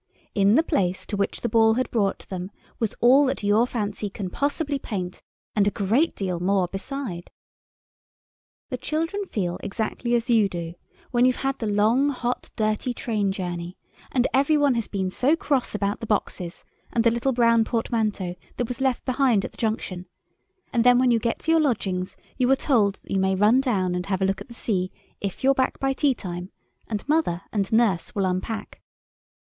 In the place to which the Ball had brought them was all that your fancy can possibly paint, and a great deal more beside. The children feel exactly as you do when you've had the long, hot, dirty train journey—and every one has been so cross about the boxes and the little brown portmanteau that was left behind at the junction—and then when you get to your lodgings you are told that you may run down and have a look at the sea if you're back by tea time, and mother and nurse will unpack.